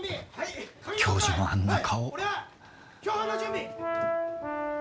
教授のあんな顔。